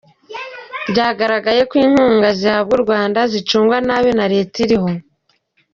Byagaragaye ko inkunga zihabwa u Rwanda zicungwa nabi na Leta iriho.